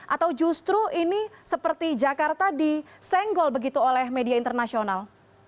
atau justru ini seperti jakarta disenggol begitu oleh media internasional